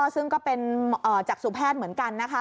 ซึ่งก็เป็นจักษุแพทย์เหมือนกันนะคะ